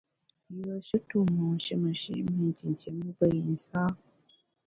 Yùeshe tu monshi meshi’ mi ntintié mu pe yi nsâ.